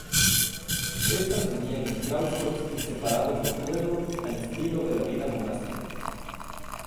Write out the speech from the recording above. Estas vivían en claustros y separados del pueblo al estilo de la vida monástica.